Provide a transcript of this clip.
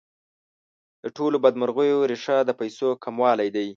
د ټولو بدمرغیو ریښه د پیسو کموالی دی.